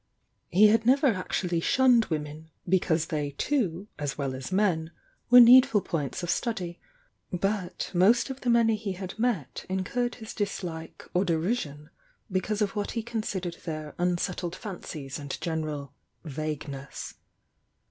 He had never actually shunned women, because they too, as well as men, were needful points of study,— but most of the many he had met incurred his dislike or derision because of what he considered their unset tled fancies and general "vagueness."